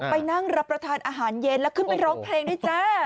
ไปนั่งรับประทานอาหารเย็นแล้วขึ้นไปร้องเพลงด้วยจ้า